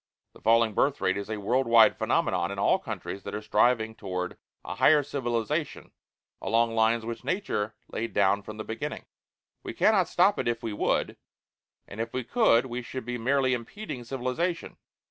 The falling birth rate is a world wide phenomenon in all countries that are striving toward a higher civilization along lines which Nature laid down from the beginning. We cannot stop it if we would, and if we could we should be merely impeding civilization.